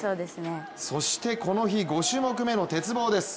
そしてこの日５種目めの鉄棒です。